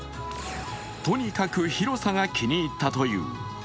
とにかく広さが気に入ったという。